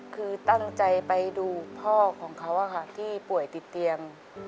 คือตั้งใจไปดูพ่อของเขาที่ป่วยติดเตียง